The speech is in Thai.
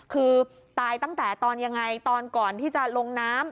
คือตายตั้งแต่ตอนยังไงตอนก่อนที่จะลงน้ำ